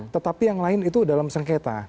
tetapi yang lain itu dalam sengketa